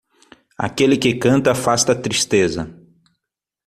Aquele que canta afasta a tristeza.